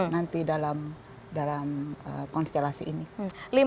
nanti dalam konstelasi ini